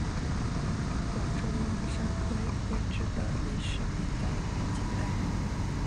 广州湾商会会址的历史年代为近代。